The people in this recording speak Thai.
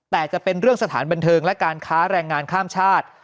แต่จะเป็นเรื่องสถานบันเทิงและการค้าแรงงานข้ามชาติ